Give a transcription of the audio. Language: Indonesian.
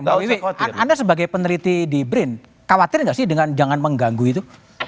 mbak wiwi anda sebagai peneliti di brin khawatir nggak sih dengan jangan mengganggu itu